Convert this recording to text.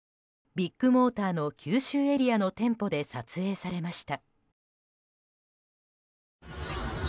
ビッグモーターの九州エリアの店舗で撮影されました。